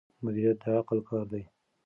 مدیریت د عقل کار دی.